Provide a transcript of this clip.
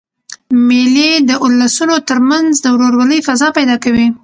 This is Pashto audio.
مېلې د اولسونو تر منځ د ورورولۍ فضا پیدا کوي.